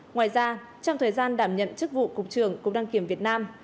ngoài ra trong thời gian đảm nhận chức vụ cục trưởng cục đăng kiểm việt nam